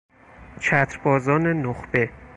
چتر بازان نخبه